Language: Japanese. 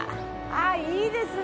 あっいいですね。